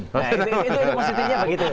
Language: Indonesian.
nah itu positifnya begitu